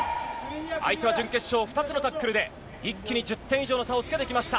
相手は準決勝、２つのタックルで、一気に１０点以上の差をつけてきました。